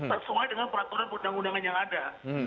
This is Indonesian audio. tersuai dengan peraturan undang undangan yang ada